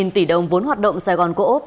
một tỷ đồng vốn hoạt động sài gòn cổ úc